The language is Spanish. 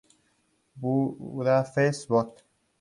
Budapest; Bot.